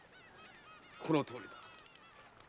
このとおりだ。